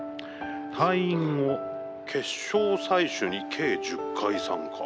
退院後、血しょう採取に計１０回参加。